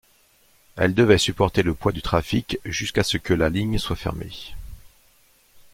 Elle devaient supporter le poids du trafic jusqu'à ce que la ligne soit fermée.